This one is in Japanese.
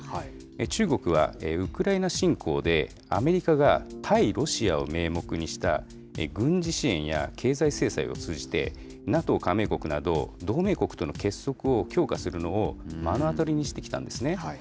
中国はウクライナ侵攻で、アメリカが対ロシアを名目にした軍事支援や経済制裁を通じて、ＮＡＴＯ加盟国など同盟国との結束を強化するのを目の当たりにしてきたんですね。